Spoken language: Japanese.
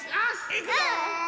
いくぞ！